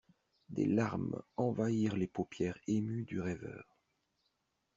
Des larmes envahirent les paupières émues du rêveur.